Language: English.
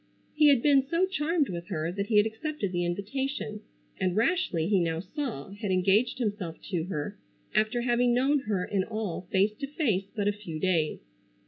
He had been so charmed with her that he had accepted the invitation, and, rashly he now saw, had engaged himself to her, after having known her in all face to face but a few days.